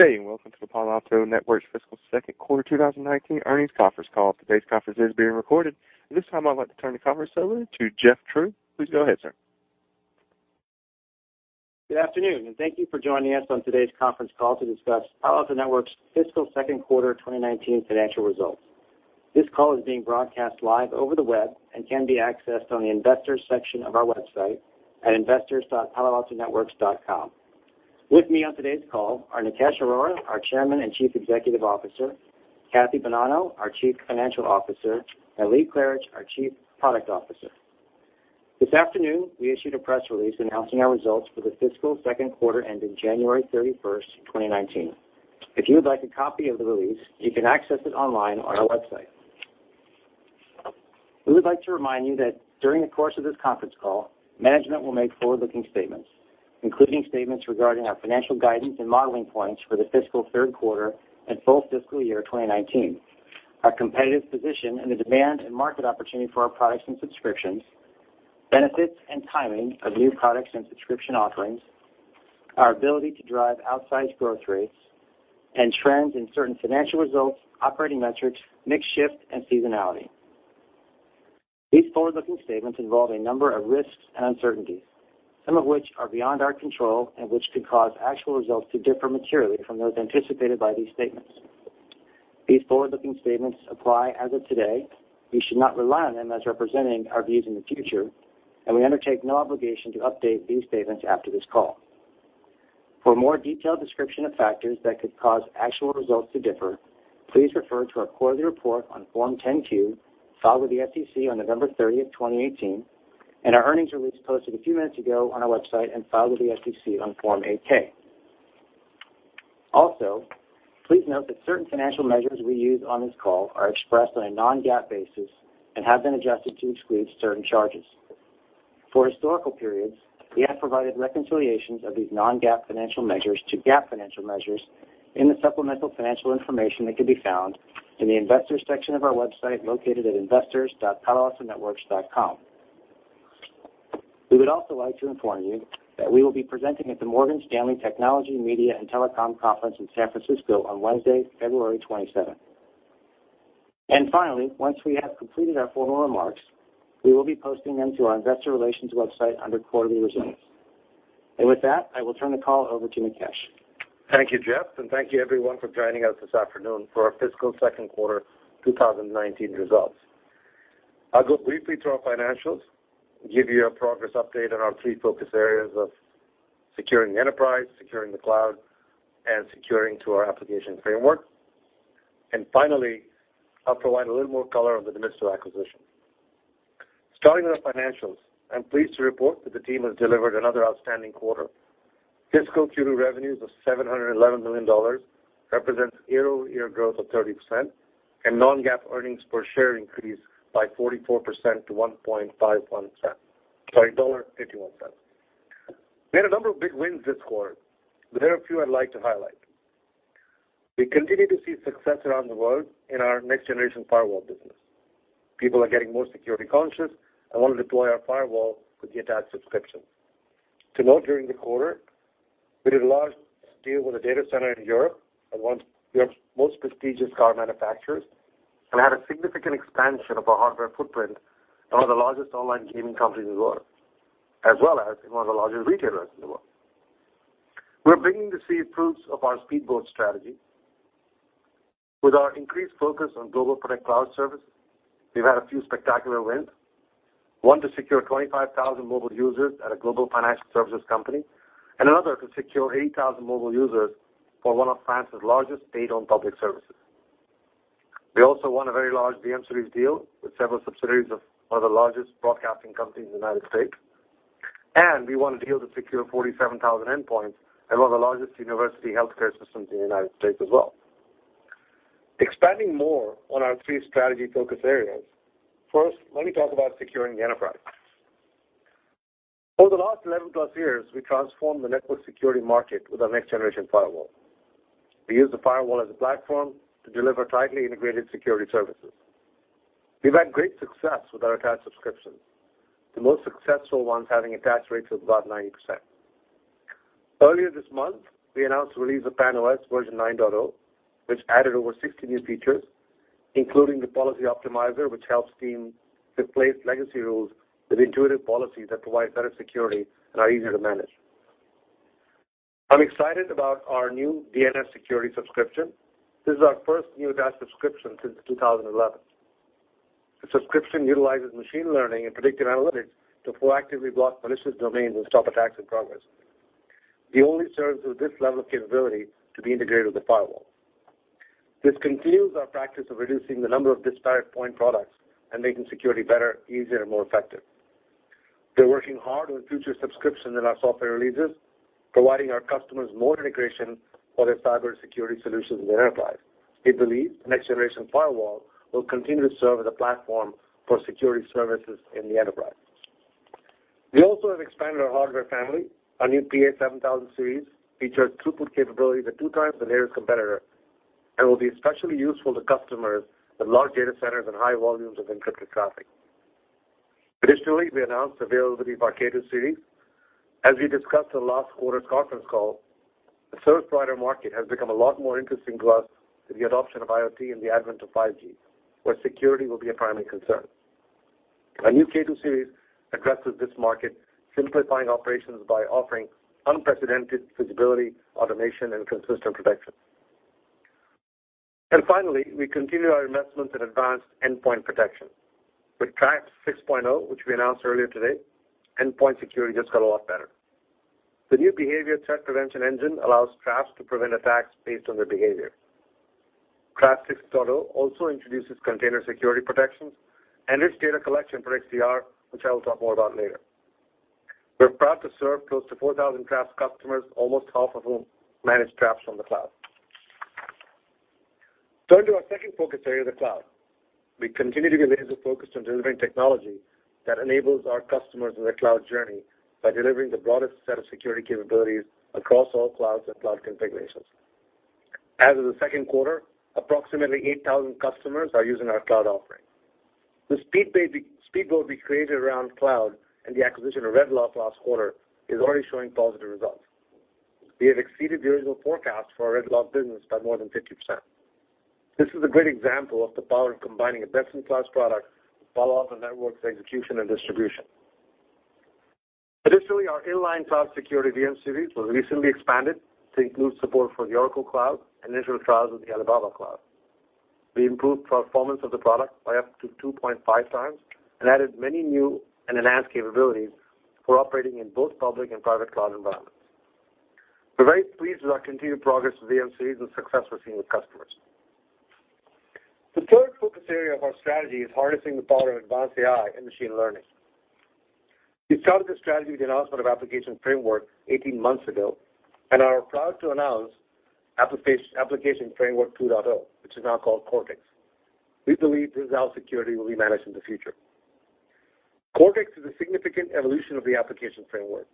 Good day, welcome to the Palo Alto Networks fiscal second quarter 2019 earnings conference call. Today's conference is being recorded. At this time, I'd like to turn the conference over to Jeffrey True. Please go ahead, sir. Good afternoon, thank you for joining us on today's conference call to discuss Palo Alto Networks' fiscal second quarter 2019 financial results. This call is being broadcast live over the web and can be accessed on the investors section of our website at investors.paloaltonetworks.com. With me on today's call are Nikesh Arora, our Chairman and Chief Executive Officer, Kathy Bonanno, our Chief Financial Officer, and Lee Klarich, our Chief Product Officer. This afternoon, we issued a press release announcing our results for the fiscal second quarter ending January 31st, 2019. If you would like a copy of the release, you can access it online on our website. We would like to remind you that during the course of this conference call, management will make forward-looking statements, including statements regarding our financial guidance and modeling points for the fiscal third quarter and full fiscal year 2019, our competitive position, and the demand and market opportunity for our products and subscriptions, benefits and timing of new products and subscription offerings, our ability to drive outsized growth rates, and trends in certain financial results, operating metrics, mix shift, and seasonality. These forward-looking statements involve a number of risks and uncertainties, some of which are beyond our control and which could cause actual results to differ materially from those anticipated by these statements. These forward-looking statements apply as of today. You should not rely on them as representing our views in the future, and we undertake no obligation to update these statements after this call. For a more detailed description of factors that could cause actual results to differ, please refer to our quarterly report on Form 10-Q filed with the SEC on November 30th, 2018, and our earnings release posted a few minutes ago on our website and filed with the SEC on Form 8-K. Also, please note that certain financial measures we use on this call are expressed on a non-GAAP basis and have been adjusted to exclude certain charges. For historical periods, we have provided reconciliations of these non-GAAP financial measures to GAAP financial measures in the supplemental financial information that can be found in the investors section of our website located at investors.paloaltonetworks.com. We would also like to inform you that we will be presenting at the Morgan Stanley Technology, Media, and Telecom Conference in San Francisco on Wednesday, February 27th. Once we have completed our formal remarks, we will be posting them to our investor relations website under quarterly results. With that, I will turn the call over to Nikesh. Thank you, Jeff, thank you everyone for joining us this afternoon for our fiscal second quarter 2019 results. I'll go briefly through our financials, give you a progress update on our three focus areas of securing the enterprise, securing the cloud, and securing through our Application Framework. Finally, I'll provide a little more color on the Demisto acquisition. Starting with our financials, I'm pleased to report that the team has delivered another outstanding quarter. Fiscal Q2 revenues of $711 million represents year-over-year growth of 30%, non-GAAP earnings per share increased by 44% to $1.51, sorry, $1.51. We had a number of big wins this quarter, there are a few I'd like to highlight. We continue to see success around the world in our next-generation firewall business. People are getting more security conscious and want to deploy our firewall with the attached subscription. To note, during the quarter, we did a large deal with a data center in Europe, one of the most prestigious car manufacturers, had a significant expansion of our hardware footprint in one of the largest online gaming companies in the world, as well as in one of the largest retailers in the world. We're beginning to see fruits of our Speedboat strategy. With our increased focus on GlobalProtect cloud service, we've had a few spectacular wins, one to secure 25,000 mobile users at a global financial services company and another to secure 8,000 mobile users for one of France's largest aid on public services. We also won a very large VM-Series deal with several subsidiaries of one of the largest broadcasting companies in the U.S., we won a deal to secure 47,000 endpoints at one of the largest university healthcare systems in the U.S. as well. Expanding more on our three strategy focus areas, first, let me talk about securing the enterprise. Over the last 11-plus years, we transformed the network security market with our next-generation firewall. We use the firewall as a platform to deliver tightly integrated security services. We've had great success with our attached subscriptions, the most successful ones having attach rates of about 90%. Earlier this month, we announced the release of PAN-OS version 9.0, which added over 60 new features, including the Policy Optimizer, which helps teams replace legacy rules with intuitive policies that provide better security and are easier to manage. I'm excited about our new DNS Security subscription. This is our first new attach subscription since 2011. The subscription utilizes machine learning and predictive analytics to proactively block malicious domains and stop attacks in progress. We only serve through this level of capability to be integrated with the firewall. This continues our practice of reducing the number of disparate point products and making security better, easier, and more effective. We're working hard on future subscriptions in our software releases, providing our customers more integration for their cybersecurity solutions in the enterprise. We believe next-generation firewall will continue to serve as a platform for security services in the enterprise. We also have expanded our hardware family. Our new PA-7000 Series features throughput capabilities at two times the nearest competitor and will be especially useful to customers with large data centers and high volumes of encrypted traffic. Additionally, we announced availability of our K2-Series. As we discussed on last quarter's conference call, the service provider market has become a lot more interesting to us with the adoption of IoT and the advent of 5G, where security will be a primary concern. Our new K2-Series addresses this market, simplifying operations by offering unprecedented visibility, automation, and consistent protection. Finally, we continue our investments in advanced endpoint protection. With Traps 6.0, which we announced earlier today, endpoint security just got a lot better. The new behavior threat prevention engine allows Traps to prevent attacks based on their behavior. Traps 6.0 also introduces container security protections and rich data collection for XDR, which I will talk more about later. We're proud to serve close to 4,000 Traps customers, almost half of whom manage Traps from the cloud. Turning to our second focus area, the cloud. We continue to be laser-focused on delivering technology that enables our customers in their cloud journey by delivering the broadest set of security capabilities across all clouds and cloud configurations. As of the second quarter, approximately 8,000 customers are using our cloud offering. The speed boat we created around cloud and the acquisition of RedLock last quarter is already showing positive results. We have exceeded the original forecast for our RedLock business by more than 50%. This is a great example of the power of combining a best-in-class product with Palo Alto Networks' execution and distribution. Additionally, our inline cloud security VM-Series was recently expanded to include support for the Oracle Cloud and initial trials with the Alibaba Cloud. We improved performance of the product by up to 2.5 times and added many new and enhanced capabilities for operating in both public and private cloud environments. We're very pleased with our continued progress with VM-Series and success we're seeing with customers. The third focus area of our strategy is harnessing the power of advanced AI and machine learning. We started this strategy with the announcement of Application Framework 18 months ago and are proud to announce Application Framework 2.0, which is now called Cortex. We believe this is how security will be managed in the future. Cortex is a significant evolution of the Application Framework.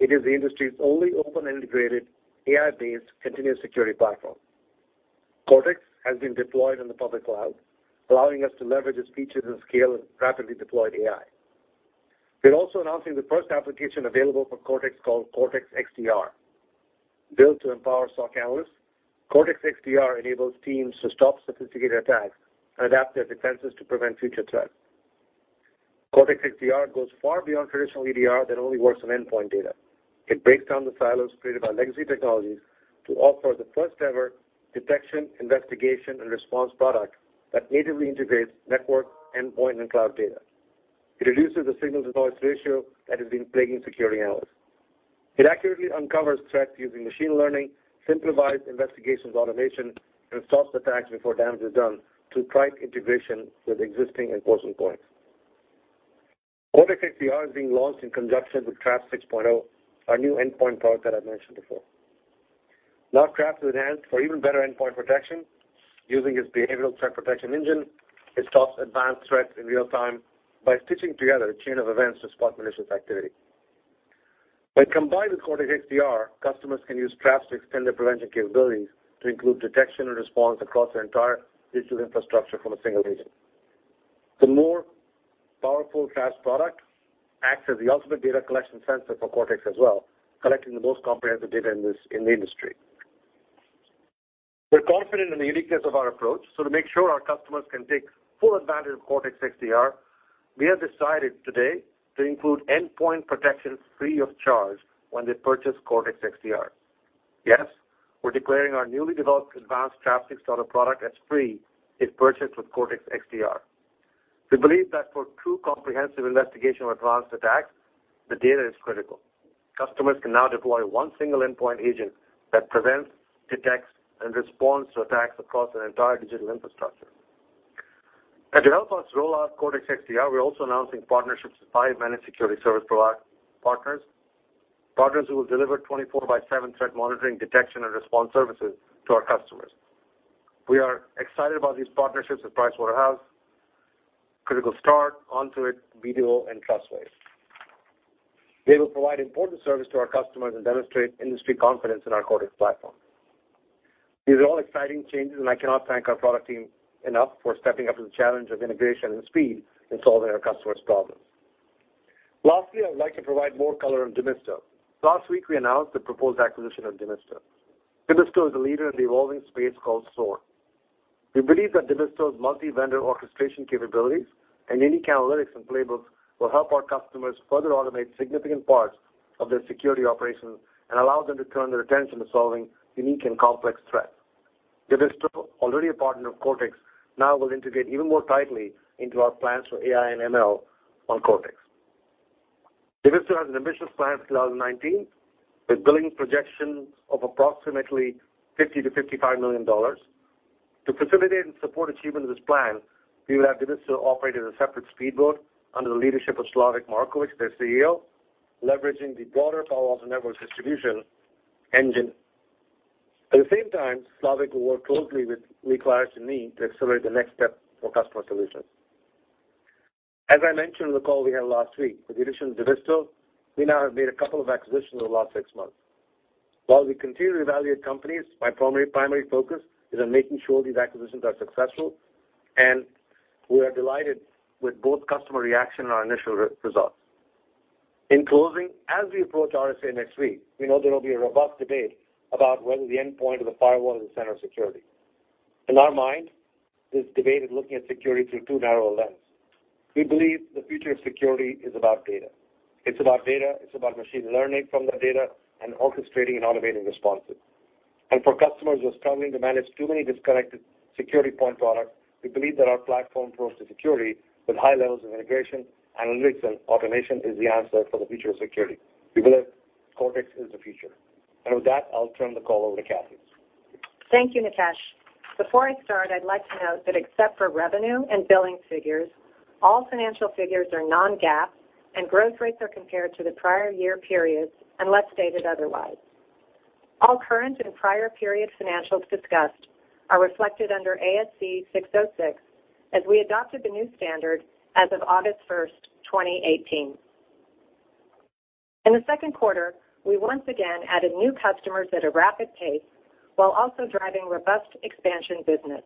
It is the industry's only open and integrated AI-based continuous security platform. Cortex has been deployed in the public cloud, allowing us to leverage its features and scale and rapidly deploy AI. We're also announcing the first application available for Cortex called Cortex XDR. Built to empower SOC analysts, Cortex XDR enables teams to stop sophisticated attacks and adapt their defenses to prevent future threats. Cortex XDR goes far beyond traditional EDR that only works on endpoint data. It breaks down the silos created by legacy technologies to offer the first-ever detection, investigation, and response product that natively integrates network, endpoint, and cloud data. It reduces the signal-to-noise ratio that has been plaguing security analysts. It accurately uncovers threats using machine learning, simplifies investigations with automation, and stops attacks before damage is done through tight integration with existing enforcement points. Cortex XDR is being launched in conjunction with Traps 6.0, our new endpoint product that I mentioned before. Now, Traps is enhanced for even better endpoint protection. Using its behavioral threat protection engine, it stops advanced threats in real time by stitching together a chain of events to spot malicious activity. When combined with Cortex XDR, customers can use Traps to extend their prevention capabilities to include detection and response across their entire digital infrastructure from a single agent. The more powerful Traps product acts as the ultimate data collection sensor for Cortex as well, collecting the most comprehensive data in the industry. We're confident in the uniqueness of our approach, so to make sure our customers can take full advantage of Cortex XDR, we have decided today to include endpoint protection free of charge when they purchase Cortex XDR. Yes, we're declaring our newly developed advanced Traps 6.0 product as free if purchased with Cortex XDR. We believe that for true comprehensive investigation of advanced attacks, the data is critical. Customers can now deploy one single endpoint agent that prevents, detects, and responds to attacks across their entire digital infrastructure. To help us roll out Cortex XDR, we're also announcing partnerships with five managed security service providers partners. Partners who will deliver 24/7 threat monitoring, detection, and response services to our customers. We are excited about these partnerships with Pricewaterhouse, Critical Start, ON2IT, BDO, and Trustwave. They will provide important service to our customers and demonstrate industry confidence in our Cortex platform. These are all exciting changes, and I cannot thank our product team enough for stepping up to the challenge of integration and speed in solving our customers' problems. Lastly, I would like to provide more color on Demisto. Last week, we announced the proposed acquisition of Demisto. Demisto is a leader in the evolving space called SOAR. We believe that Demisto's multi-vendor orchestration capabilities and unique analytics and playbooks will help our customers further automate significant parts of their security operations and allow them to turn their attention to solving unique and complex threats. Demisto, already a partner of Cortex, now will integrate even more tightly into our plans for AI and ML on Cortex. Demisto has an ambitious plan for 2019, with billing projections of approximately $50 million-$55 million. To facilitate and support achievement of this plan, we will have Demisto operate as a separate speed boat under the leadership of Slavik Markovich, their CEO, leveraging the broader Palo Alto Networks' distribution engine. At the same time, Slavik will work closely with Lee Klarich and me to accelerate the next step for customer solutions. As I mentioned on the call we had last week, with the addition of Demisto, we now have made a couple of acquisitions over the last six months. While we continue to evaluate companies, my primary focus is on making sure these acquisitions are successful, and we are delighted with both customer reaction and our initial results. In closing, as we approach RSA next week, we know there will be a robust debate about whether the endpoint or the firewall is the center of security. In our mind, this debate is looking at security through too narrow a lens. We believe the future of security is about data. It's about data, it's about machine learning from that data, and orchestrating and automating responses. For customers who are struggling to manage too many disconnected security point products, we believe that our platform approach to security with high levels of integration, analytics, and automation is the answer for the future of security. We believe Cortex is the future. With that, I'll turn the call over to Kathy. Thank you, Nikesh. Before I start, I'd like to note that except for revenue and billing figures, all financial figures are non-GAAP, and growth rates are compared to the prior year periods unless stated otherwise. All current and prior period financials discussed are reflected under ASC 606, as we adopted the new standard as of August 1st, 2018. In the second quarter, we once again added new customers at a rapid pace while also driving robust expansion business.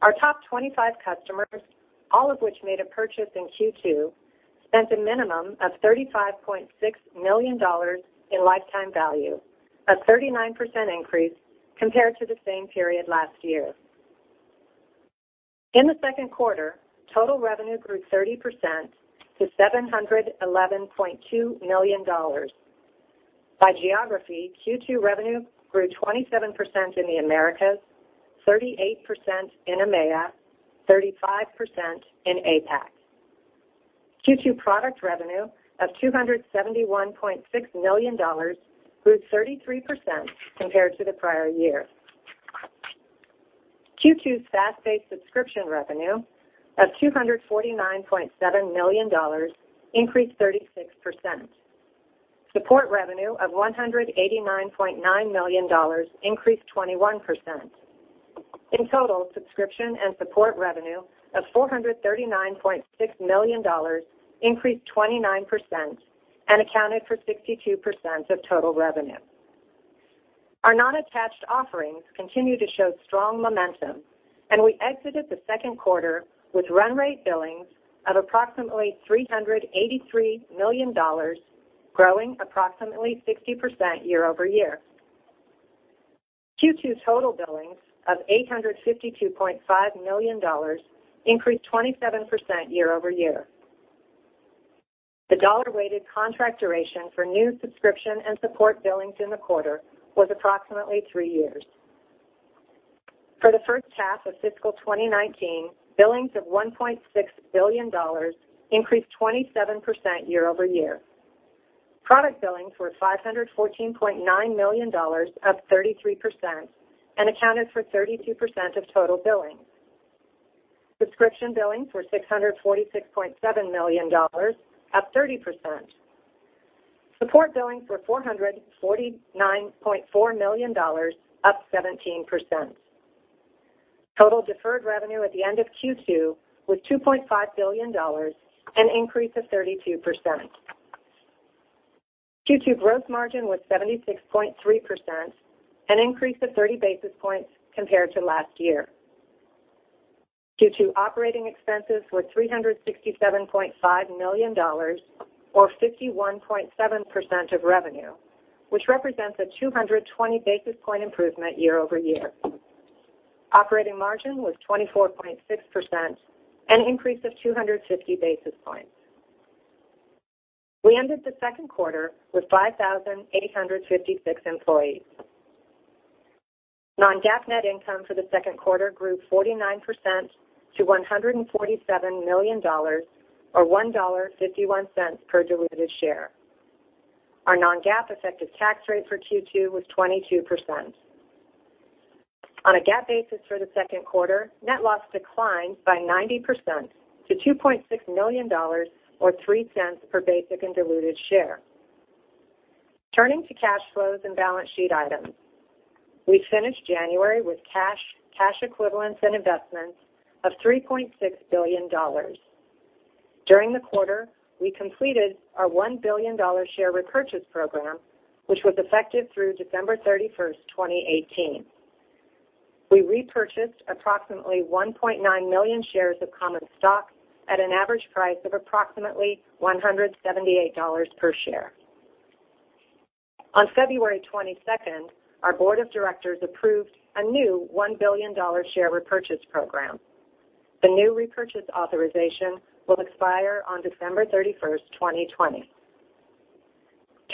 Our top 25 customers, all of which made a purchase in Q2, spent a minimum of $35.6 million in lifetime value, a 39% increase compared to the same period last year. In the second quarter, total revenue grew 30% to $711.2 million. By geography, Q2 revenue grew 27% in the Americas, 38% in EMEA, 35% in APAC. Q2 product revenue of $271.6 million grew 33% compared to the prior year. Q2 SaaS-based subscription revenue of $249.7 million increased 36%. Support revenue of $189.9 million increased 21%. In total, subscription and support revenue of $439.6 million increased 29% and accounted for 62% of total revenue. Our non-attached offerings continue to show strong momentum, and we exited the second quarter with run rate billings of approximately $383 million, growing approximately 60% year-over-year. Q2 total billings of $852.5 million increased 27% year-over-year. The dollar-weighted contract duration for new subscription and support billings in the quarter was approximately three years. For the first half of fiscal 2019, billings of $1.6 billion increased 27% year-over-year. Product billings were $514.9 million, up 33%, and accounted for 32% of total billings. Subscription billings were $646.7 million, up 30%. Support billings were $449.4 million, up 17%. Total deferred revenue at the end of Q2 was $2.5 billion, an increase of 32%. Q2 gross margin was 76.3%, an increase of 30 basis points compared to last year. Q2 operating expenses were $367.5 million or 51.7% of revenue, which represents a 220 basis point improvement year-over-year. Operating margin was 24.6%, an increase of 250 basis points. We ended the second quarter with 5,856 employees. Non-GAAP net income for the second quarter grew 49% to $147 million, or $1.51 per diluted share. Our non-GAAP effective tax rate for Q2 was 22%. On a GAAP basis for the second quarter, net loss declined by 90% to $2.6 million, or $0.03 per basic and diluted share. Turning to cash flows and balance sheet items. We finished January with cash equivalents, and investments of $3.6 billion. During the quarter, we completed our $1 billion share repurchase program, which was effective through December 31st, 2018. We repurchased approximately 1.9 million shares of common stock at an average price of approximately $178 per share. On February 22nd, our board of directors approved a new $1 billion share repurchase program. The new repurchase authorization will expire on December 31st, 2020.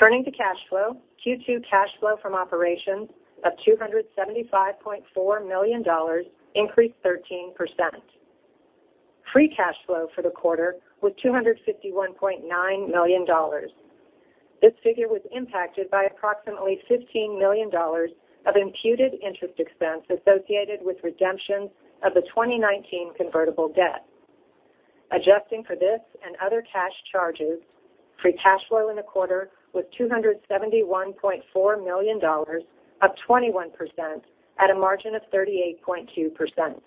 Turning to cash flow, Q2 cash flow from operations of $275.4 million increased 13%. Free cash flow for the quarter was $251.9 million. This figure was impacted by approximately $15 million of imputed interest expense associated with redemption of the 2019 convertible debt. Adjusting for this and other cash charges, free cash flow in the quarter was $271.4 million, up 21%, at a margin of 38.2%.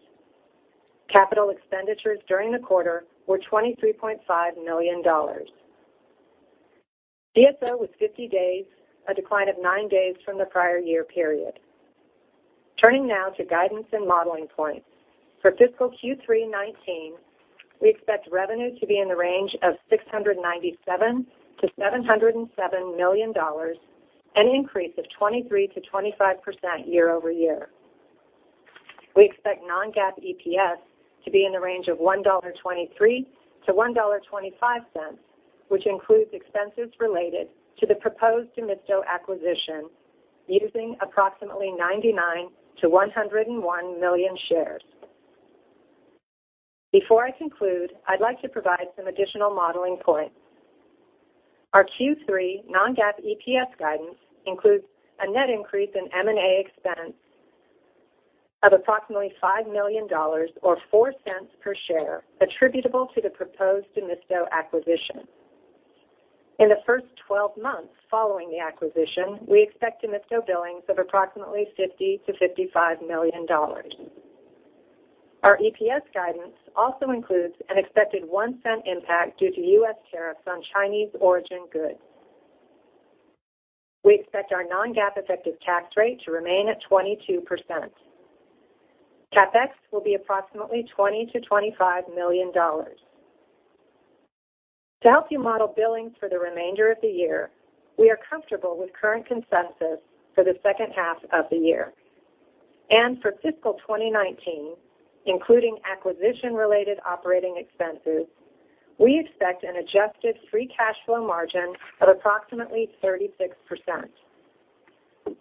Capital expenditures during the quarter were $23.5 million. DSO was 50 days, a decline of nine days from the prior year period. Turning now to guidance and modeling points. For fiscal Q3 2019, we expect revenue to be in the range of $697 million-$707 million, an increase of 23%-25% year-over-year. We expect non-GAAP EPS to be in the range of $1.23-$1.25, which includes expenses related to the proposed Demisto acquisition, using approximately 99 million-101 million shares. Before I conclude, I'd like to provide some additional modeling points. Our Q3 non-GAAP EPS guidance includes a net increase in M&A expense of approximately $5 million or $0.04 per share, attributable to the proposed Demisto acquisition. In the first 12 months following the acquisition, we expect Demisto billings of approximately $50 million-$55 million. Our EPS guidance also includes an expected $0.01 impact due to U.S. tariffs on Chinese origin goods. We expect our non-GAAP effective tax rate to remain at 22%. CapEx will be approximately $20 million-$25 million. To help you model billings for the remainder of the year, we are comfortable with current consensus for the second half of the year. For fiscal 2019, including acquisition-related operating expenses, we expect an adjusted free cash flow margin of approximately 36%.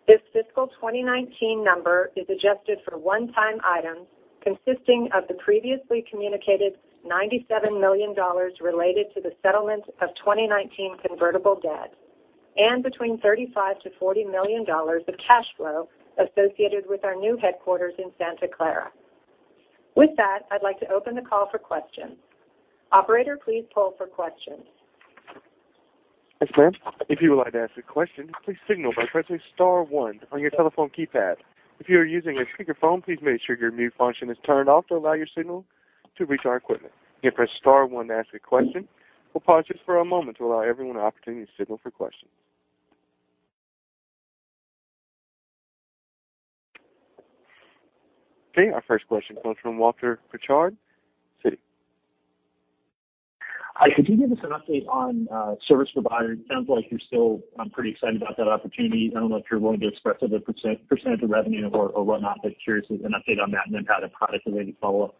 This fiscal 2019 number is adjusted for one-time items consisting of the previously communicated $97 million related to the settlement of 2019 convertible debt and between $35 million-$40 million of cash flow associated with our new headquarters in Santa Clara. With that, I'd like to open the call for questions. Operator, please poll for questions. Yes, ma'am. If you would like to ask a question, please signal by pressing star one on your telephone keypad. If you are using a speakerphone, please make sure your mute function is turned off to allow your signal to reach our equipment. Again, press star one to ask a question. We'll pause just for a moment to allow everyone an opportunity to signal for questions. Okay, our first question comes from Walter Pritchard, Citi. Hi. Could you give us an update on service providers? It sounds like you're still pretty excited about that opportunity. I don't know if you're willing to express it as a percentage of revenue or whatnot, but curious as an update on that and then how the product is ready to follow up.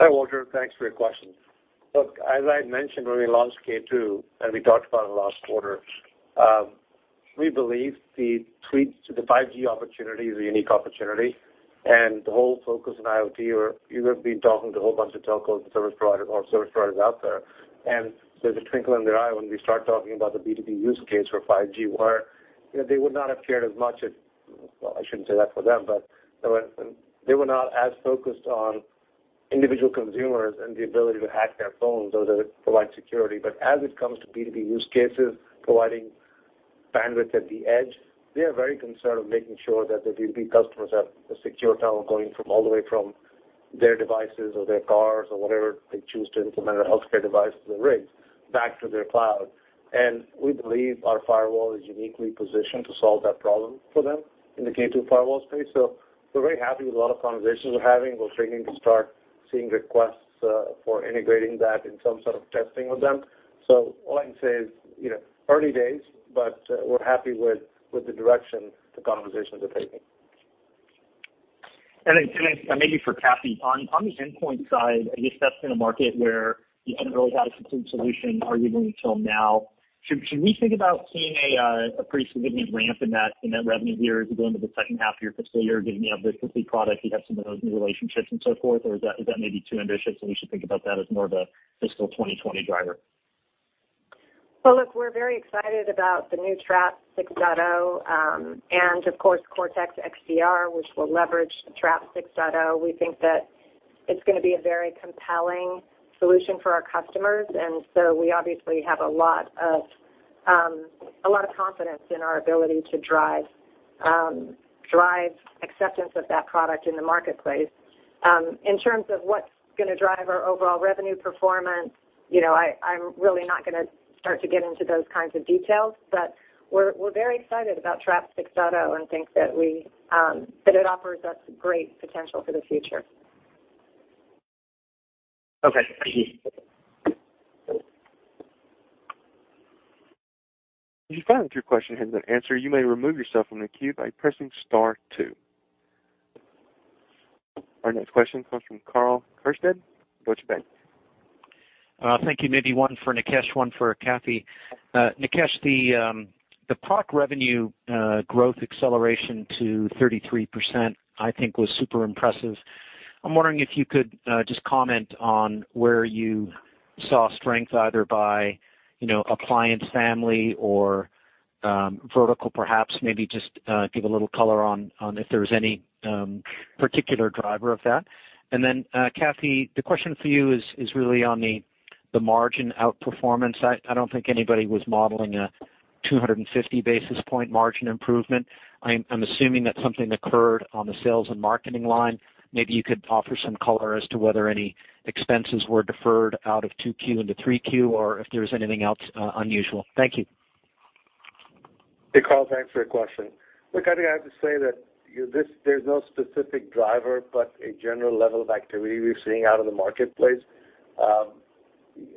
Hi, Walter. Thanks for your question. Look, as I mentioned when we launched K2, we talked about it last quarter, we believe the 5G opportunity is a unique opportunity, the whole focus on IoT, we've been talking to a whole bunch of telcos and service providers out there's a twinkle in their eye when we start talking about the B2B use case for 5G, where they would not have cared as much as Well, I shouldn't say that for them, but they were not as focused on individual consumers and the ability to hack their phones or provide security. As it comes to B2B use cases, providing bandwidth at the edge, they are very concerned with making sure that their B2B customers have a secure tunnel going all the way from their devices or their cars or whatever they choose to implement, or healthcare device to the rigs, back to their cloud. We believe our firewall is uniquely positioned to solve that problem for them in the K2 firewall space. We're very happy with a lot of conversations we're having. We're starting to see requests for integrating that in some sort of testing with them. All I can say is, early days, but we're happy with the direction the conversations are taking. Maybe for Kathy, on the endpoint side, I guess that's been a market where you haven't really had a complete solution, arguably, until now. Should we think about seeing a pretty significant ramp in that net revenue here as we go into the second half of your fiscal year, giving you a complete product, you'd have some of those new relationships and so forth? Or is that maybe too ambitious, and we should think about that as more of a fiscal 2020 driver? We're very excited about the new Traps 6.0 and of course, Cortex XDR, which will leverage Traps 6.0. We think that it's going to be a very compelling solution for our customers, and so we obviously have a lot of confidence in our ability to drive acceptance of that product in the marketplace. In terms of what's going to drive our overall revenue performance, I'm really not going to start to get into those kinds of details, but we're very excited about Traps 6.0 and think that it offers us great potential for the future. Okay. Thank you. If you find that your question has been answered, you may remove yourself from the queue by pressing star two. Our next question comes from Karl Keirstead, Deutsche Bank. Thank you. Maybe one for Nikesh, one for Kathy. Nikesh, the product revenue growth acceleration to 33%, I think, was super impressive. I'm wondering if you could just comment on where you saw strength, either by appliance family or vertical, perhaps. Maybe just give a little color on if there was any particular driver of that. Kathy, the question for you is really on the margin outperformance, I don't think anybody was modeling a 250 basis point margin improvement. I'm assuming that something occurred on the sales and marketing line. Maybe you could offer some color as to whether any expenses were deferred out of 2Q into 3Q or if there's anything else unusual. Thank you. Hey, Karl. Thanks for your question. I think I have to say that there's no specific driver but a general level of activity we're seeing out in the marketplace.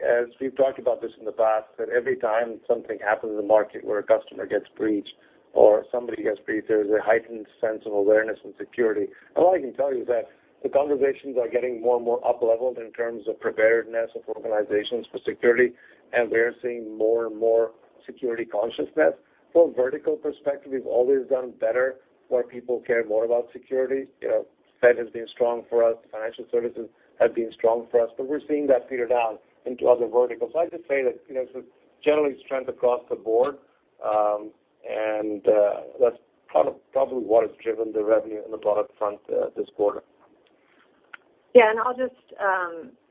As we've talked about this in the past, that every time something happens in the market where a customer gets breached or somebody gets breached, there's a heightened sense of awareness and security. All I can tell you is that the conversations are getting more and more up-leveled in terms of preparedness of organizations for security, and we are seeing more and more security consciousness. From a vertical perspective, we've always done better where people care more about security. Fed has been strong for us, the financial services have been strong for us, we're seeing that filter down into other verticals. I'd just say that, generally, strength across the board, and that's probably what has driven the revenue on the product front this quarter. I'll just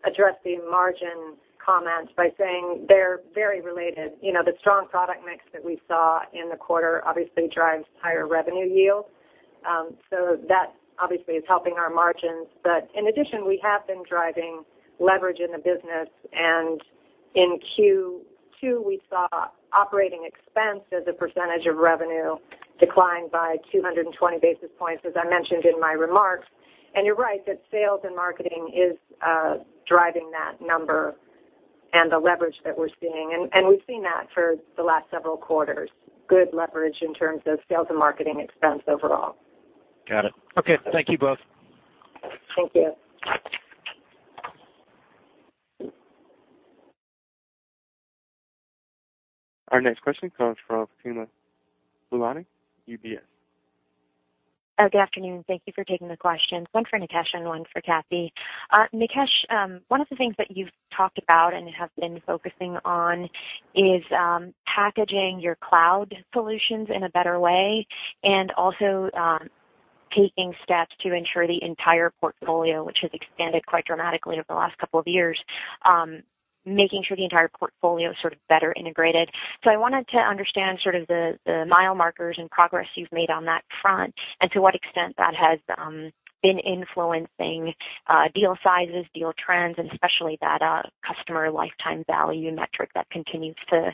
address the margin comments by saying they're very related. The strong product mix that we saw in the quarter obviously drives higher revenue yield. That obviously is helping our margins. In addition, we have been driving leverage in the business, and in Q2, we saw operating expense as a percentage of revenue decline by 220 basis points, as I mentioned in my remarks. You're right that sales and marketing is driving that number and the leverage that we're seeing. We've seen that for the last several quarters, good leverage in terms of sales and marketing expense overall. Got it. Okay. Thank you both. Thank you. Our next question comes from Fatima Boolani, UBS. Good afternoon. Thank you for taking the questions. One for Nikesh and one for Kathy. Nikesh, one of the things that you've talked about and have been focusing on is packaging your cloud solutions in a better way and also taking steps to ensure the entire portfolio, which has expanded quite dramatically over the last couple of years, making sure the entire portfolio is better integrated. I wanted to understand the mile markers and progress you've made on that front and to what extent that has been influencing deal sizes, deal trends, and especially that customer lifetime value metric that continues to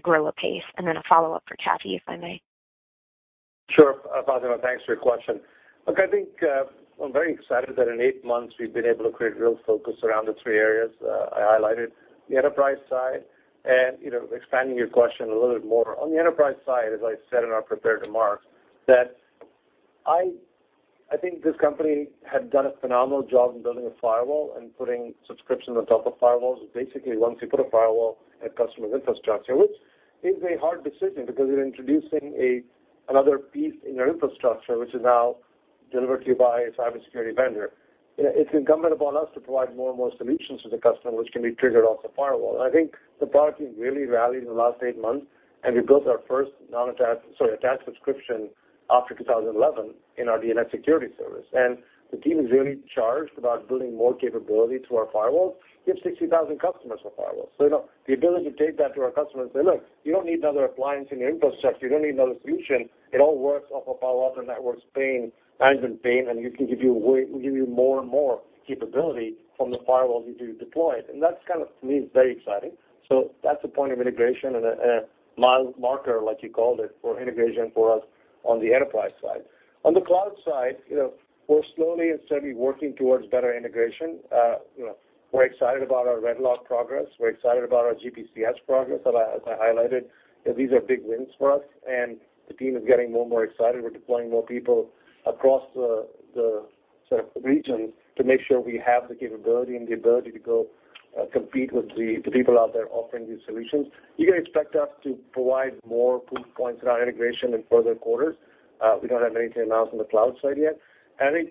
grow apace. A follow-up for Kathy, if I may. Sure, Fatima, thanks for your question. Look, I think I'm very excited that in eight months, we've been able to create real focus around the three areas I highlighted. The enterprise side and expanding your question a little bit more. On the enterprise side, as I said in our prepared remarks, that I think this company had done a phenomenal job in building a firewall and putting subscriptions on top of firewalls. Basically, once you put a firewall at customer's infrastructure, which is a hard decision because you're introducing another piece in your infrastructure, which is now delivered to you by a cybersecurity vendor. It's incumbent upon us to provide more and more solutions to the customer, which can be triggered off the firewall. I think the product team really rallied in the last eight months, and we built our first attached subscription after 2011 in our DNS Security service. The team is really charged about building more capability to our firewalls. We have 60,000 customers for firewalls. The ability to take that to our customers and say, "Look, you don't need another appliance in your infrastructure. You don't need another solution. It all works off a firewall that Networks pane, Management pane, and we give you more and more capability from the firewall you deploy." That's, to me, very exciting. That's a point of integration and a mile marker, like you called it, for integration for us on the enterprise side. On the cloud side, we're slowly and steadily working towards better integration. We're excited about our RedLock progress. We're excited about our GPCS progress that I highlighted. These are big wins for us. The team is getting more and more excited. We're deploying more people across the regions to make sure we have the capability and the ability to go compete with the people out there offering these solutions. You can expect us to provide more proof points around integration in further quarters. We don't have anything to announce on the cloud side yet. I think,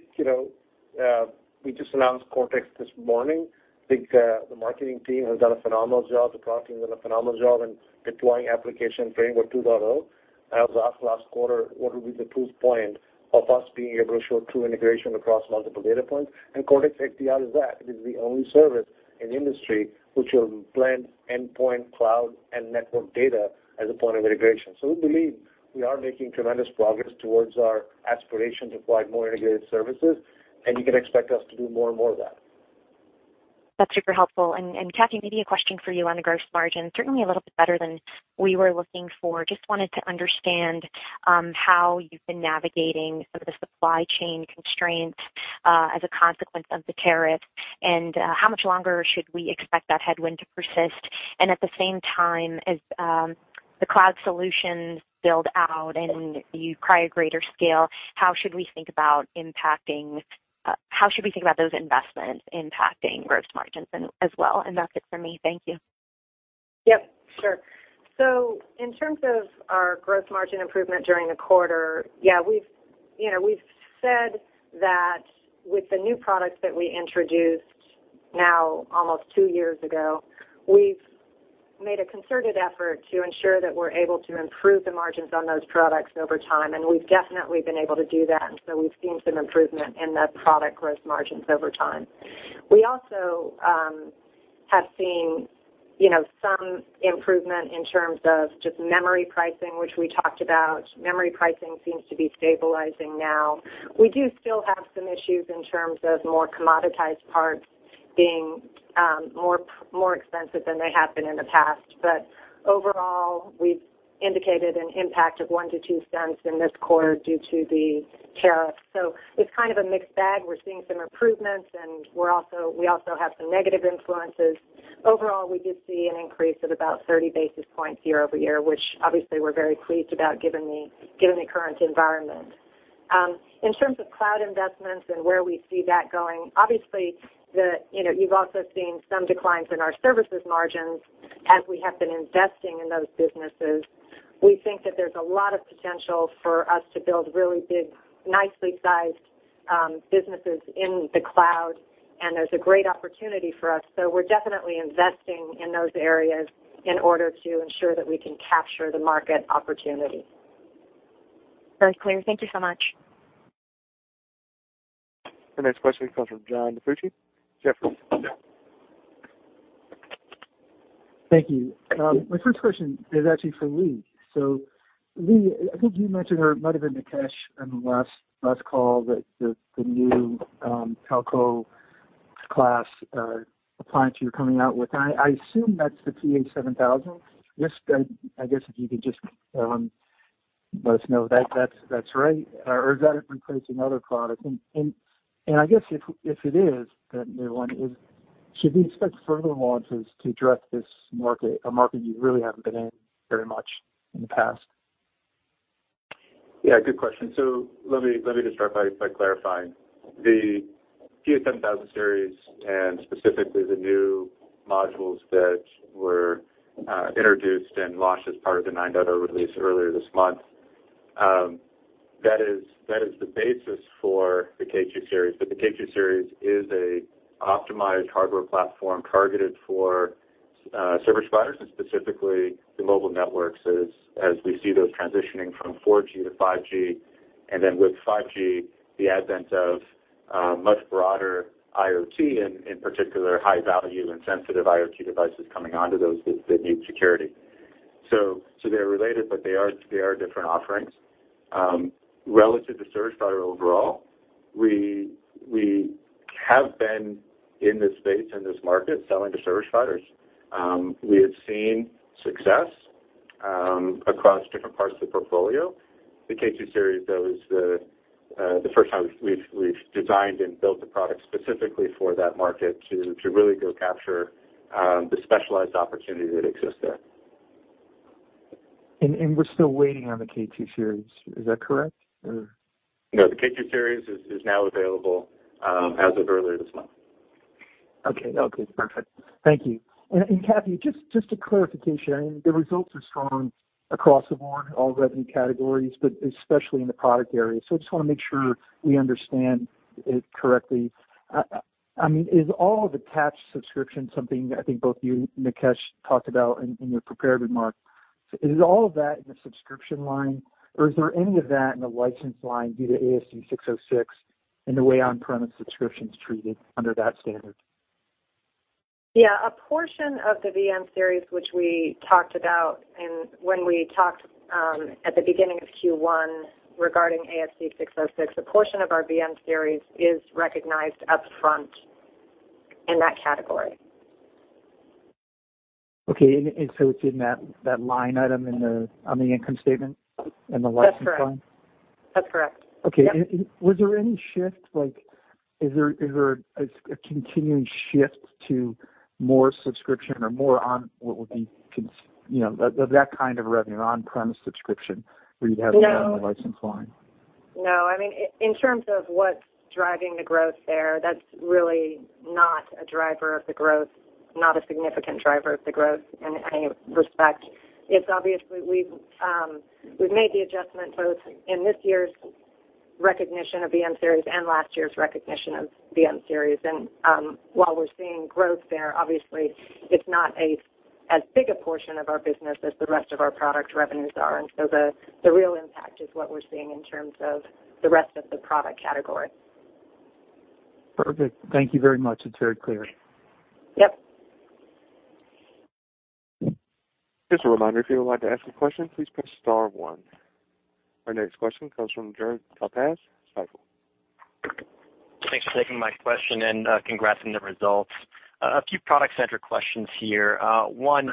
we just announced Cortex this morning. I think the marketing team has done a phenomenal job. The product team has done a phenomenal job in deploying Application Framework 2.0. I was asked last quarter what will be the proof point of us being able to show true integration across multiple data points, and Cortex XDR is that. It is the only service in the industry which will blend endpoint, cloud, and network data as a point of integration. We believe we are making tremendous progress towards our aspiration to provide more integrated services. You can expect us to do more and more of that. That's super helpful. Kathy, maybe a question for you on the gross margin. Certainly a little bit better than we were looking for. Just wanted to understand how you've been navigating some of the supply chain constraints as a consequence of the tariff, and how much longer should we expect that headwind to persist. At the same time, as the cloud solutions build out and you acquire greater scale, how should we think about those investments impacting gross margins as well? That's it for me. Thank you. Yep, sure. In terms of our gross margin improvement during the quarter, we've said that with the new products that we introduced now almost two years ago, we made a concerted effort to ensure that we're able to improve the margins on those products over time, and we've definitely been able to do that. We've seen some improvement in the product growth margins over time. We also have seen some improvement in terms of just memory pricing, which we talked about. Memory pricing seems to be stabilizing now. We do still have some issues in terms of more commoditized parts being more expensive than they have been in the past. Overall, we've indicated an impact of $0.01-$0.02 in this quarter due to the tariff. It's kind of a mixed bag. We're seeing some improvements and we also have some negative influences. Overall, we did see an increase of about 30 basis points year-over-year, which obviously we're very pleased about given the current environment. In terms of cloud investments and where we see that going, obviously, you've also seen some declines in our services margins as we have been investing in those businesses. We think that there's a lot of potential for us to build really big, nicely sized businesses in the cloud, and there's a great opportunity for us. We're definitely investing in those areas in order to ensure that we can capture the market opportunity. Very clear. Thank you so much. The next question comes from John DiFucci, Jefferies. Thank you. My first question is actually for Lee. Lee, I think you mentioned, or it might have been Nikesh on the last call, that the new telco class appliance you're coming out with, and I assume that's the PA-7000. Just, I guess, if you could just let us know that's right, or does that replace another product? I guess if it is that new one, should we expect further launches to address this market, a market you really haven't been in very much in the past? Yeah, good question. Let me just start by clarifying. The PA-7000 series, and specifically the new modules that were introduced and launched as part of the 9.0 release earlier this month, that is the basis for the K2-Series. The K2-Series is an optimized hardware platform targeted for service providers, and specifically the mobile networks as we see those transitioning from 4G to 5G. With 5G, the advent of much broader IoT, in particular high-value and sensitive IoT devices coming onto those that need security. They're related, but they are different offerings. Relative to service provider overall, we have been in this space, in this market, selling to service providers. We have seen success across different parts of the portfolio. The K2-Series, though, is the first time we've designed and built a product specifically for that market to really go capture the specialized opportunity that exists there. We're still waiting on the K2-Series, is that correct? No, the K2-Series is now available as of earlier this month. Okay. Okay, perfect. Thank you. Kathy, just a clarification. I mean, the results are strong across the board, all revenue categories, but especially in the product area. So I just want to make sure we understand it correctly. I mean, is all of attached subscription something I think both you and Nikesh talked about in your prepared remarks, is all of that in the subscription line, or is there any of that in the license line due to ASC 606 and the way on-premise subscription is treated under that standard? Yeah. A portion of the VM-Series, which we talked about when we talked at the beginning of Q1 regarding ASC 606, a portion of our VM-Series is recognized upfront in that category. Okay. It's in that line item on the income statement in the license line? That's correct. Okay. Yep. Was there any shift, is there a continuing shift to more subscription or more on what would be that kind of revenue, on-premise subscription where you'd have? No On the license line? No. I mean, in terms of what's driving the growth there, that's really not a driver of the growth, not a significant driver of the growth in any respect. It's obviously, we've made the adjustment both in this year's recognition of VM-Series and last year's recognition of VM-Series. While we're seeing growth there, obviously it's not as big a portion of our business as the rest of our product revenues are. So the real impact is what we're seeing in terms of the rest of the product category. Perfect. Thank you very much. It's very clear. Yep. Just a reminder, if you would like to ask a question, please press star 1. Our next question comes from Gur Talpaz, Stifel. Thanks for taking my question and congrats on the results. A few product-centric questions here. One,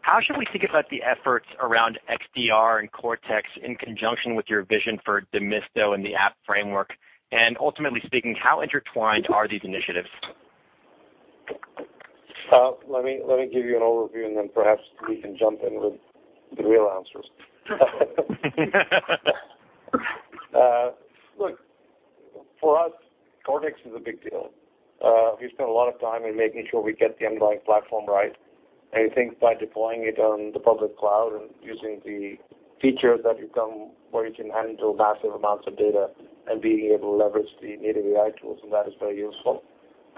how should we think about the efforts around XDR and Cortex in conjunction with your vision for Demisto and the App Framework? Ultimately speaking, how intertwined are these initiatives? Then perhaps Lee can jump in with the real answers. Look, for us, Cortex is a big deal. We've spent a lot of time in making sure we get the underlying platform right. I think by deploying it on the public cloud and using the features that have come where you can handle massive amounts of data and being able to leverage the native AI tools, that is very useful.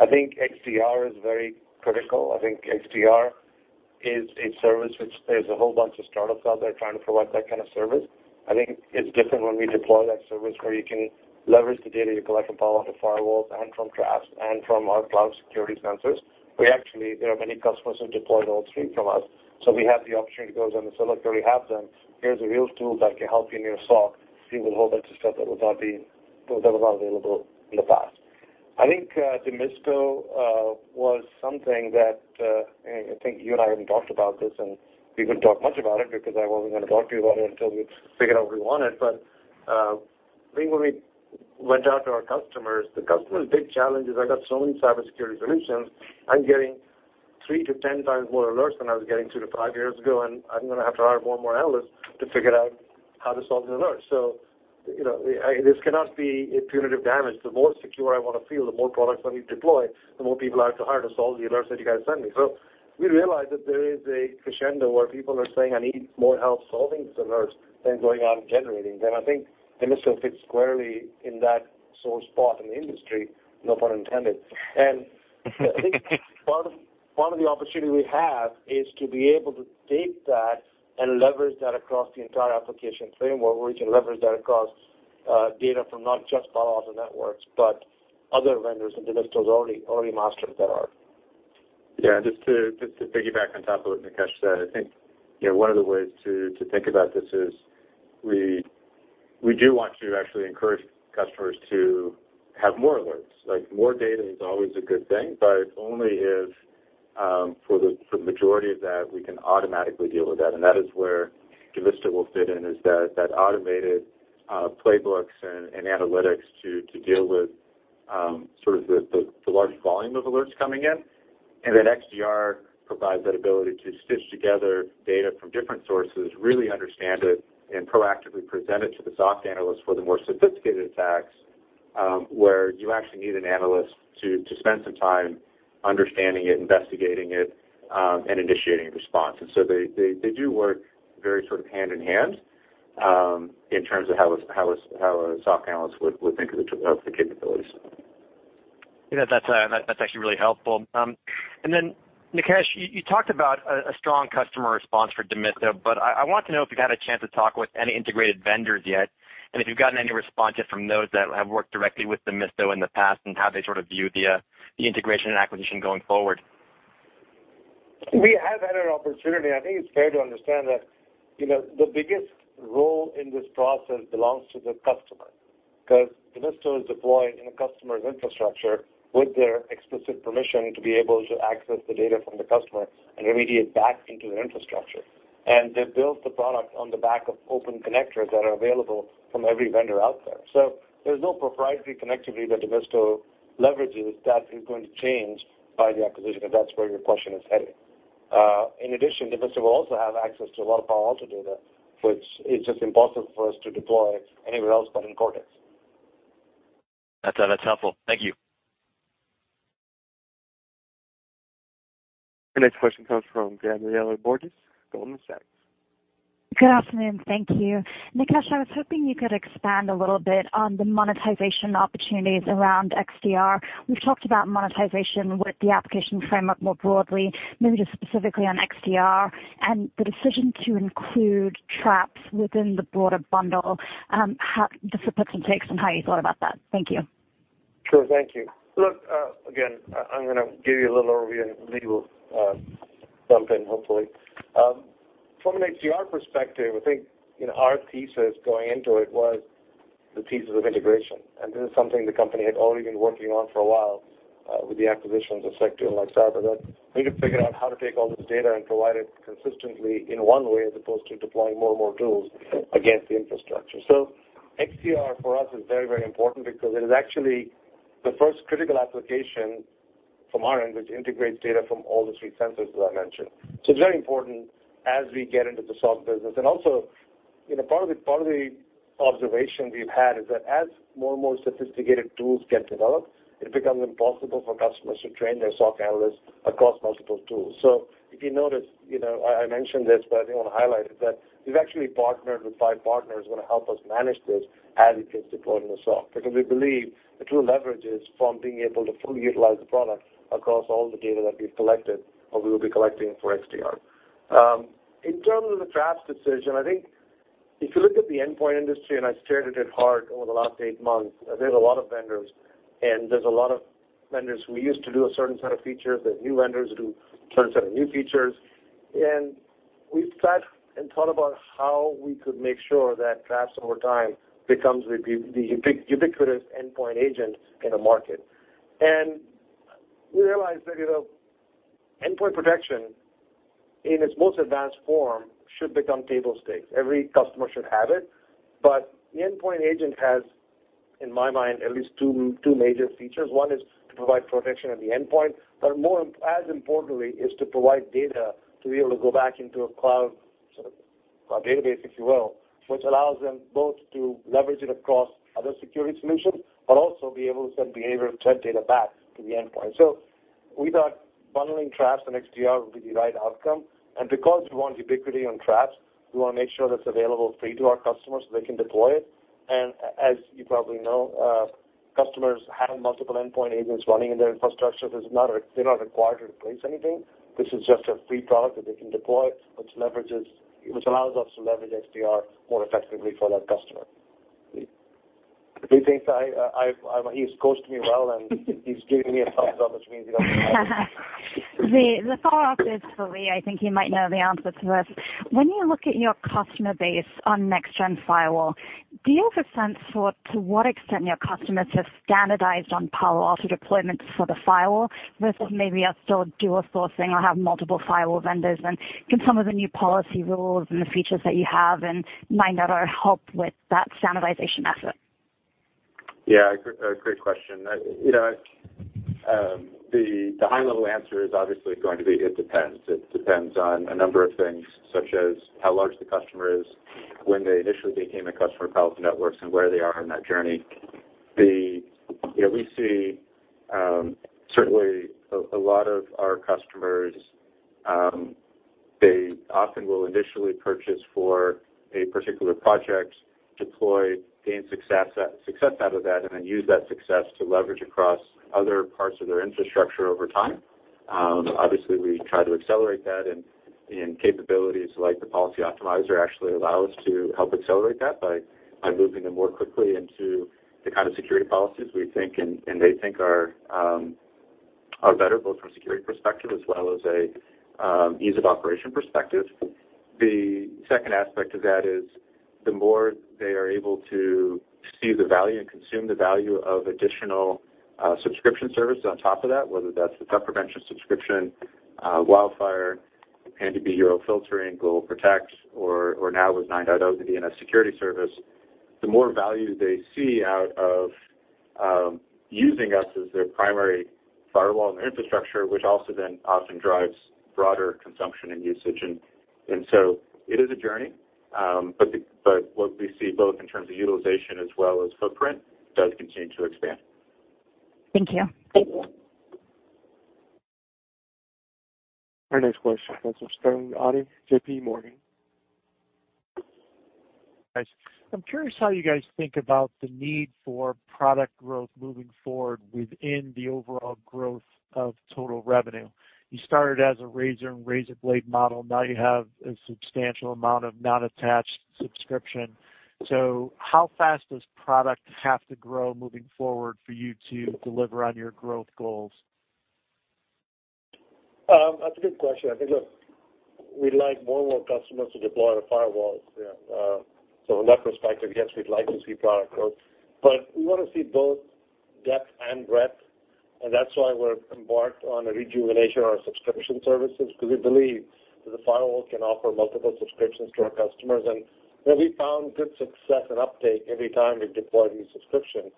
I think XDR is very critical. I think XDR is a service, which there's a whole bunch of startups out there trying to provide that kind of service. I think it's different when we deploy that service where you can leverage the data you collect from Palo Alto firewalls and from Traps and from our cloud security sensors. We actually, there are many customers who deployed all three from us. We have the opportunity to go to them and say, "Look, you already have them. Here's a real tool that can help you in your SOC." See with all that stuff that was available in the past. I think Demisto was something that, I think you and I haven't talked about this. We wouldn't talk much about it because I wasn't going to talk to you about it until we figured out we want it. I think when we went out to our customers, the customer's big challenge is I got so many cybersecurity solutions. I'm getting 3 to 10 times more alerts than I was getting 2 to 5 years ago. I'm going to have to hire more and more analysts to figure out how to solve the alerts. This cannot be a punitive damage. The more secure I want to feel, the more products I need to deploy, the more people I have to hire to solve the alerts that you guys send me. We realized that there is a crescendo where people are saying, "I need more help solving these alerts than going out and generating them." I think Demisto fits squarely in that sore spot in the industry, no pun intended. I think part of the opportunity we have is to be able to take that and leverage that across the entire Application Framework. We can leverage that across data from not just Palo Alto Networks, but other vendors and Demisto's already mastered that art. Yeah, just to piggyback on top of what Nikesh said, I think, one of the ways to think about this is we do want to actually encourage customers to have more alerts. More data is always a good thing. Only if, for the majority of that, we can automatically deal with that. That is where Demisto will fit in, is that automated playbooks and analytics to deal with the large volume of alerts coming in. Then XDR provides that ability to stitch together data from different sources, really understand it, and proactively present it to the SOC analyst for the more sophisticated attacks, where you actually need an analyst to spend some time understanding it, investigating it, and initiating a response. They do work very hand in hand, in terms of how a SOC analyst would think of the capabilities. Yeah, that's actually really helpful. Nikesh, you talked about a strong customer response for Demisto, I want to know if you've had a chance to talk with any integrated vendors yet, if you've gotten any responses from those that have worked directly with Demisto in the past and how they view the integration and acquisition going forward. We have had an opportunity. I think it's fair to understand that the biggest role in this process belongs to the customer. Demisto is deployed in a customer's infrastructure with their explicit permission to be able to access the data from the customer and remediate back into their infrastructure. They built the product on the back of open connectors that are available from every vendor out there. There's no proprietary connectivity that Demisto leverages that is going to change by the acquisition, if that's where your question is headed. In addition, Demisto will also have access to a lot of Palo Alto data, which is just impossible for us to deploy anywhere else but in Cortex. That's helpful. Thank you. Our next question comes from Gabriela Borges, Goldman Sachs. Good afternoon. Thank you. Nikesh, I was hoping you could expand a little bit on the monetization opportunities around XDR. We've talked about monetization with the Application Framework more broadly, maybe just specifically on XDR and the decision to include Traps within the broader bundle. Just the puts and takes on how you thought about that. Thank you. Sure. Thank you. Look, again, I'm going to give you a little overview, and Lee will jump in, hopefully. From an XDR perspective, I think our thesis going into it was the thesis of integration. This is something the company had already been working on for a while, with the acquisitions of Secdo and LightCyber, that we could figure out how to take all this data and provide it consistently in one way, as opposed to deploying more and more tools against the infrastructure. XDR for us is very important because it is actually the first critical application from our end, which integrates data from all the three sensors that I mentioned. It's very important as we get into the SOC business. Also, part of the observation we've had is that as more and more sophisticated tools get developed, it becomes impossible for customers to train their SOC analysts across multiple tools. If you noticed, I mentioned this, but I think I want to highlight it, that we've actually partnered with five partners who are going to help us manage this as it gets deployed in the SOC. Because we believe the true leverage is from being able to fully utilize the product across all the data that we've collected or we will be collecting for XDR. In terms of the Traps decision, I think if you look at the endpoint industry, and I've stared at it hard over the last eight months, there's a lot of vendors. There's a lot of vendors who used to do a certain set of features. There's new vendors who do certain set of new features. We've sat and thought about how we could make sure that Traps, over time, becomes the ubiquitous endpoint agent in the market. We realized that endpoint protection in its most advanced form should become table stakes. Every customer should have it. The endpoint agent has, in my mind, at least two major features. One is to provide protection at the endpoint, but as importantly, is to provide data to be able to go back into a cloud database, if you will, which allows them both to leverage it across other security solutions, but also be able to send behavioral threat data back to the endpoint. We thought bundling Traps and XDR would be the right outcome. Because we want ubiquity on Traps, we want to make sure that's available free to our customers so they can deploy it. As you probably know, customers have multiple endpoint agents running in their infrastructure. They're not required to replace anything. This is just a free product that they can deploy, which allows us to leverage XDR more effectively for that customer. He's coached me well, and he's giving me a thumbs up, which means you got the answer. The follow-up is for Lee. I think he might know the answer to this. When you look at your customer base on next-generation firewall, do you have a sense for to what extent your customers have standardized on Palo Alto deployments for the firewall versus maybe are still dual sourcing or have multiple firewall vendors, and can some of the new policy rules and the features that you have in 9.0 help with that standardization effort? Great question. The high-level answer is obviously going to be, it depends. It depends on a number of things, such as how large the customer is, when they initially became a customer of Palo Alto Networks, and where they are on that journey. We see, certainly, a lot of our customers, they often will initially purchase for a particular project, deploy, gain success out of that, and then use that success to leverage across other parts of their infrastructure over time. Obviously, we try to accelerate that, and capabilities like the Policy Optimizer actually allow us to help accelerate that by moving them more quickly into the kind of security policies we think and they think are better, both from a security perspective as well as a ease of operation perspective. The second aspect of that is the more they are able to see the value and consume the value of additional subscription services on top of that, whether that's the threat prevention subscription, WildFire, PAN-DB URL filtering, GlobalProtect, or now with 9.0, the DNS Security service, the more value they see out of using us as their primary firewall and infrastructure, which also then often drives broader consumption and usage. It is a journey. What we see both in terms of utilization as well as footprint does continue to expand. Thank you. Thank you. Our next question comes from Sterling Auty, J.P. Morgan. I'm curious how you guys think about the need for product growth moving forward within the overall growth of total revenue. You started as a razor and razor blade model. Now you have a substantial amount of non-attached subscription. How fast does product have to grow moving forward for you to deliver on your growth goals? That's a good question. I think, look, we'd like more and more customers to deploy our firewalls. In that respect, yes, we'd like to see product growth, we want to see both depth and breadth, that's why we're embarked on a rejuvenation of our subscription services, because we believe that the firewall can offer multiple subscriptions to our customers. We found good success and uptake every time we deploy new subscription,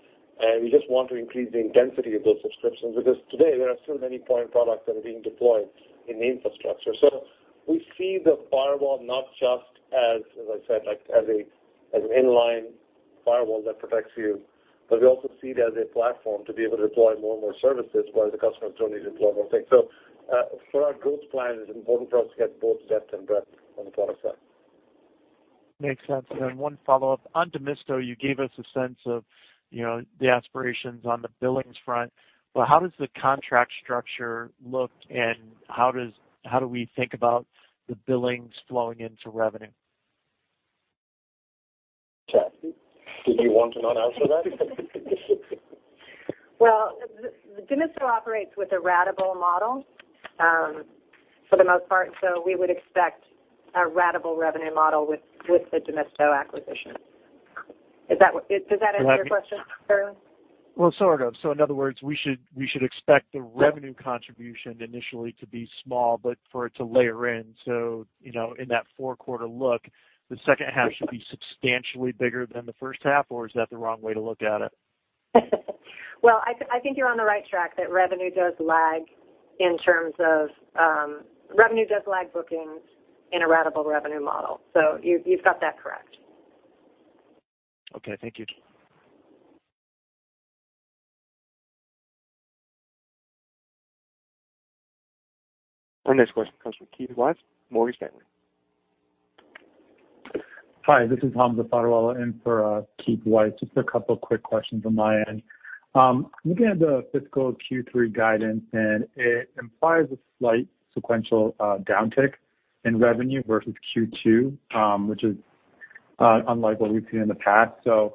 we just want to increase the intensity of those subscriptions, because today there are still many point products that are being deployed in the infrastructure. We see the firewall not just as I said, as an inline firewall that protects you, but we also see it as a platform to be able to deploy more and more services while the customers don't need to deploy more things. For our growth plan, it's important for us to get both depth and breadth on the product side. Makes sense. One follow-up. On Demisto, you gave us a sense of the aspirations on the billings front, how does the contract structure look and how do we think about the billings flowing into revenue? Kathy, did you want to not answer that? Well, Demisto operates with a ratable model for the most part, we would expect a ratable revenue model with the Demisto acquisition. Does that answer your question, Sterling? Well, sort of. In other words, we should expect the revenue contribution initially to be small, but for it to layer in. In that four-quarter look, the second half should be substantially bigger than the first half, or is that the wrong way to look at it? Well, I think you're on the right track, that revenue does lag bookings in a ratable revenue model. You've got that correct. Okay, thank you. Our next question comes from Keith Weiss, Morgan Stanley. Hi, this is Hamza Fodderwala in for Keith Weiss. Just a couple of quick questions on my end. Looking at the fiscal Q3 guidance, it implies a slight sequential downtick in revenue versus Q2, which is unlike what we've seen in the past. To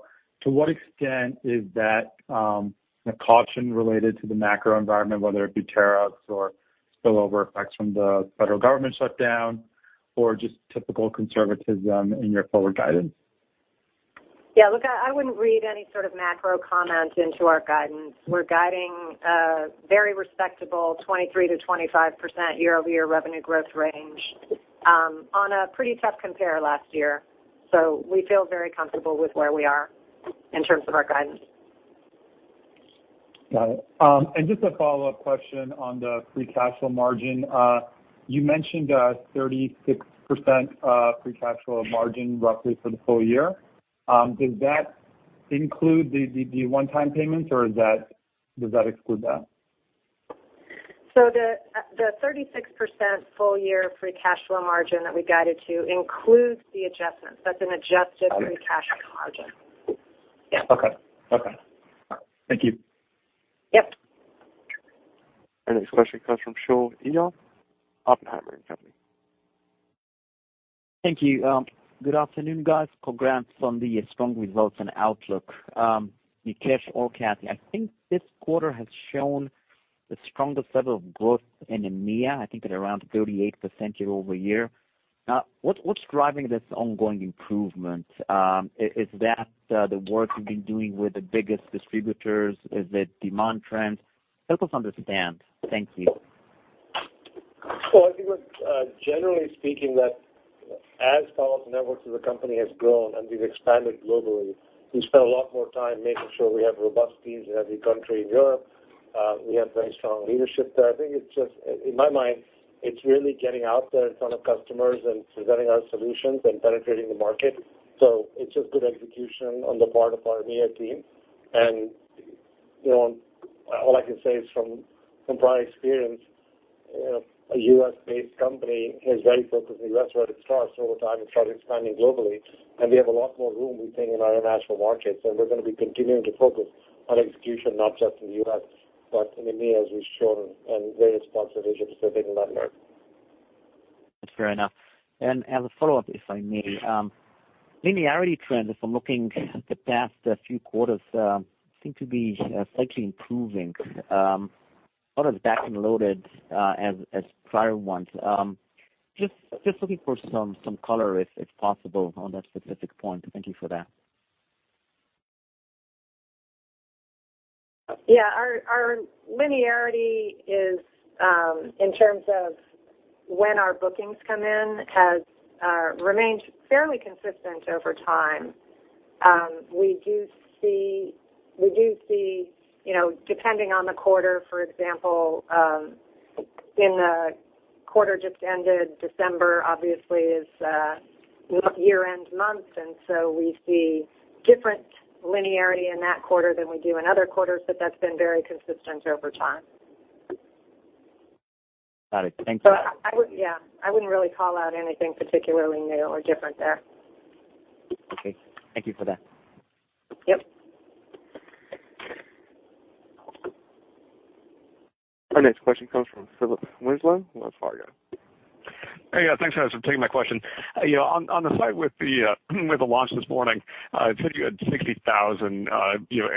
what extent is that a caution related to the macro environment, whether it be tariffs or spillover effects from the Federal Government shutdown, or just typical conservatism in your forward guidance? Look, I wouldn't read any sort of macro comment into our guidance. We're guiding a very respectable 23%-25% year-over-year revenue growth range on a pretty tough compare last year. We feel very comfortable with where we are in terms of our guidance. Got it. Just a follow-up question on the free cash flow margin. You mentioned a 36% free cash flow margin roughly for the full year. Does that include the one-time payments or does that exclude that? The 36% full-year free cash flow margin that we guided to includes the adjustments. That's an adjusted free cash flow margin. Yeah. Okay. Thank you. Yep. Our next question comes from Shaul Eyal, Oppenheimer & Company. Thank you. Good afternoon, guys. Congrats on the strong results and outlook. Nikesh or Kathy, I think this quarter has shown the strongest level of growth in EMEA, I think at around 38% year-over-year. What's driving this ongoing improvement? Is that the work you've been doing with the biggest distributors? Is it demand trends? Help us understand. Thank you. Well, I think, generally speaking, that as Palo Alto Networks as a company has grown and we've expanded globally, we spend a lot more time making sure we have robust teams in every country in Europe. We have very strong leadership there. I think, in my mind, it's really getting out there in front of customers and presenting our solutions and penetrating the market. It's just good execution on the part of our EMEA team. All I can say is from prior experience, a U.S.-based company is very focused in the U.S. where it starts, over time it started expanding globally, and we have a lot more room, we think, in our international markets, and we're going to be continuing to focus on execution, not just in the U.S., but in EMEA, as we've shown, and various parts of Asia Pacific and LATAM. That's fair enough. As a follow-up, if I may. Linearity trends, if I'm looking at the past few quarters, seem to be slightly improving, not as back-end-loaded as prior ones. Just looking for some color, if possible, on that specific point. Thank you for that. Yeah. Our linearity in terms of when our bookings come in has remained fairly consistent over time. We do see, depending on the quarter, for example, in the quarter just ended, December obviously is a year-end month, so we see different linearity in that quarter than we do in other quarters, but that's been very consistent over time. Got it. Thank you. I wouldn't really call out anything particularly new or different there. Okay. Thank you for that. Yep. Our next question comes from Philip Winslow, Wells Fargo. Hey. Yeah, thanks for taking my question. On the site with the launch this morning, I take it you had 60,000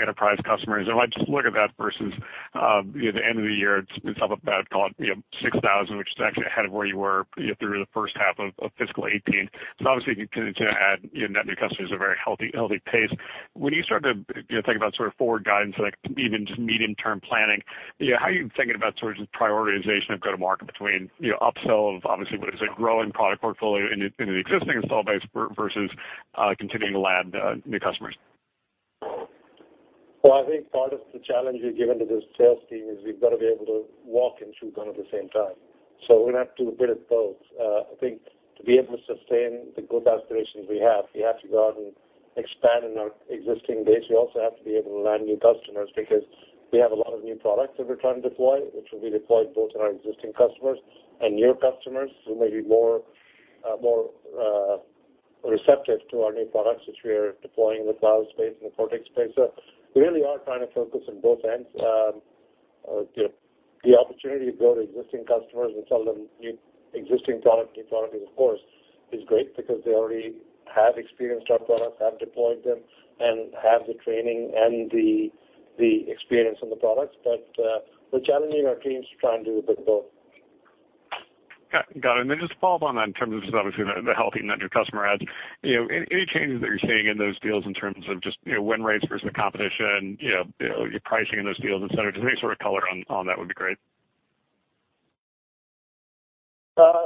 enterprise customers. I might just look at that versus the end of the year, it's up about 6,000, which is actually ahead of where you were through the first half of fiscal 2018. Obviously you continue to add net new customers at a very healthy pace. When you start to think about forward guidance, even just medium-term planning, how are you thinking about prioritization of go-to-market between upsell of obviously what is a growing product portfolio in the existing install base versus continuing to land new customers? Well, I think part of the challenge we've given to the sales team is we've got to be able to walk and chew gum at the same time. We're going to have to do a bit of both. I think to be able to sustain the growth aspirations we have, we have to go out and expand in our existing base. We also have to be able to land new customers because we have a lot of new products that we're trying to deploy, which will be deployed both in our existing customers and new customers who may be more receptive to our new products, which we are deploying in the cloud space, in the Cortex space. We really are trying to focus on both ends. The opportunity to go to existing customers and sell them existing product, new product of course, is great because they already have experienced our products, have deployed them, and have the training and the experience on the products. We're challenging our teams to try and do a bit of both. Got it. Just to follow up on that in terms of, obviously, the healthy net new customer adds, any changes that you're seeing in those deals in terms of just win rates versus the competition, your pricing in those deals, et cetera? Just any sort of color on that would be great. Our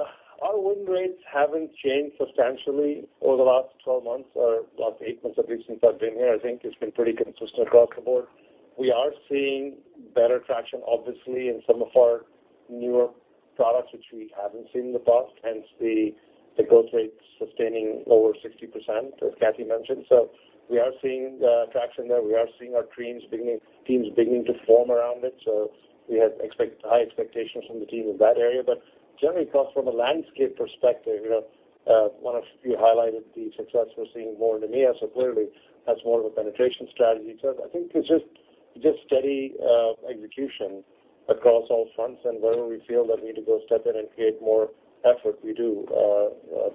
win rates haven't changed substantially over the last 12 months or last eight months, at least since I've been here. I think it's been pretty consistent across the board. We are seeing better traction, obviously, in some of our newer products, which we haven't seen in the past, hence the growth rates sustaining over 60%, as Kathy mentioned. We are seeing traction there. We are seeing our teams beginning to form around it. We have high expectations from the team in that area. Generally, from a landscape perspective, one of you highlighted the success we're seeing more in EMEA, so clearly that's more of a penetration strategy. I think it's just steady execution across all fronts, and wherever we feel that we need to go step in and create more effort, we do,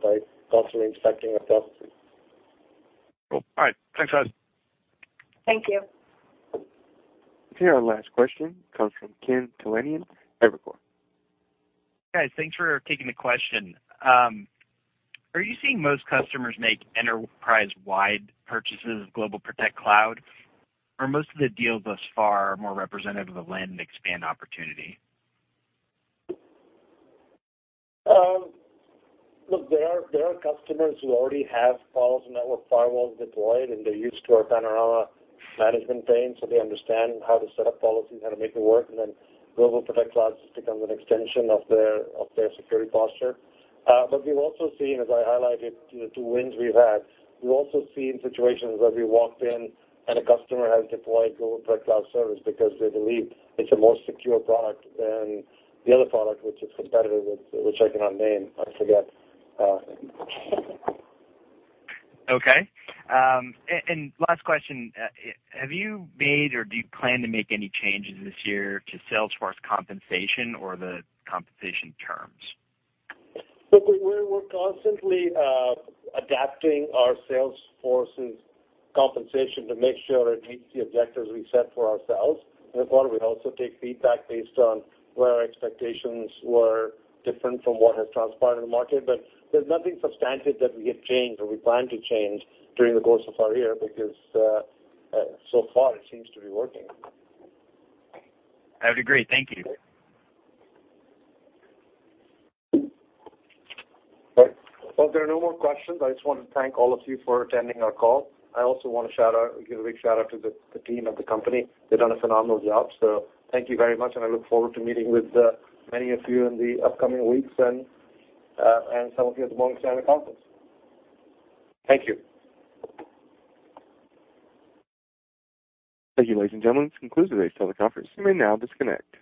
by constantly inspecting our processes. Cool. All right. Thanks, guys. Thank you. Okay, our last question comes from Ken Talanian, Evercore. Guys, thanks for taking the question. Are you seeing most customers make enterprise-wide purchases of GlobalProtect Cloud, or most of the deals thus far are more representative of a land and expand opportunity? Look, there are customers who already have Palo Alto Networks firewalls deployed, they're used to our Panorama management pane, they understand how to set up policies and how to make it work. GlobalProtect cloud service just becomes an extension of their security posture. we've also seen, as I highlighted the two wins we've had, we've also seen situations where we walked in and a customer has deployed GlobalProtect cloud service because they believe it's a more secure product than the other product, which is competitive, which I cannot name. I forget. Okay. Last question. Have you made or do you plan to make any changes this year to Sales force compensation or the compensation terms? Look, we're constantly adapting our sales force's compensation to make sure it meets the objectives we set for ourselves. Of course, we also take feedback based on where our expectations were different from what has transpired in the market. there's nothing substantive that we have changed or we plan to change during the course of our year because so far it seems to be working. I would agree. Thank you. Well, if there are no more questions, I just want to thank all of you for attending our call. I also want to give a big shout-out to the team at the company. They've done a phenomenal job. Thank you very much, and I look forward to meeting with many of you in the upcoming weeks and some of you at the Morgan Stanley conference. Thank you. Thank you, ladies and gentlemen. This concludes today's teleconference. You may now disconnect.